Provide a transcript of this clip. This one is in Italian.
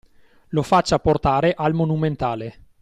Lo faccia portare al Monumentale.